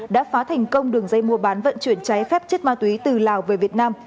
đã phá thành công đường dây mua bán vận chuyển cháy phép chất ma túy từ lào về việt nam